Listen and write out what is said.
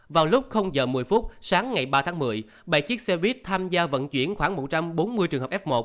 vào lúc giờ một mươi phút sáng ngày ba tháng một mươi bảy chiếc xe buýt tham gia vận chuyển khoảng một trăm bốn mươi trường hợp f một